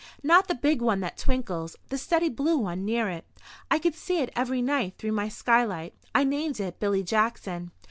"Not the big one that twinkles—the steady blue one near it. I can see it every night through my skylight. I named it Billy Jackson."